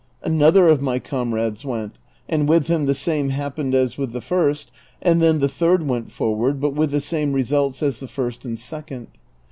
Another of my comrades went, and with him the same happened as with the first, and then the third went forward, but with the same results as the first and second.